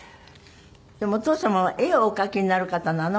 でもお父様は絵をお描きになる方なの？